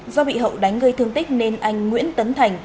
do bị hậu đánh gây thương tích nên anh nguyễn tấn thành